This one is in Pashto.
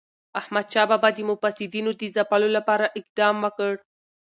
احمدشاه بابا د مفسدینو د ځپلو لپاره اقدام وکړ.